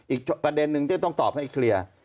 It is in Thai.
อีกประเด็นนึงที่จะต้องตอบให้เคลียร์